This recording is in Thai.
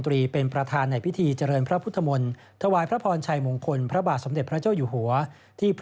เวลา๙นาฬิกา๙นาที